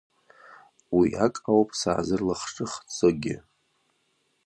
Уиак ауп саазырлахҿыхӡогьы.